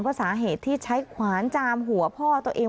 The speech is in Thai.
ว่าสาเหตุที่ใช้ขวานจามหัวพ่อตัวเอง